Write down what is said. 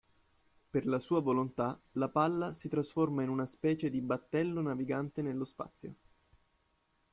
Per la sua volontà la palla si trasforma in una specie di battello navigante nello spazio.